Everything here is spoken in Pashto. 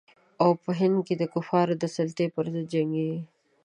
او په هند کې د کفارو د سلطې پر ضد جنګیږي.